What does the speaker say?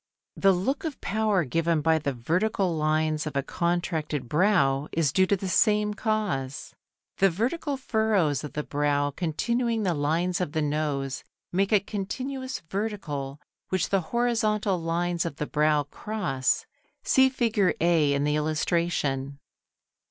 The look of power given by the vertical lines of a contracted brow is due to the same cause. The vertical furrows of the brow continuing the lines of the nose, make a continuous vertical which the horizontal lines of the brow cross (see Fig. A in the illustration).